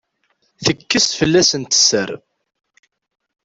Tekkes fell-asent sser.